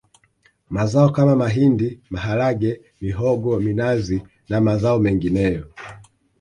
Mazao kama mahindi maharage mihogo minazi na mazao mengineyoâŠ